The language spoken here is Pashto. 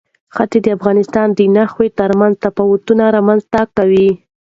ښتې د افغانستان د ناحیو ترمنځ تفاوتونه رامنځ ته کوي.